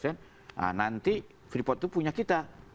nah nanti freeport itu punya kita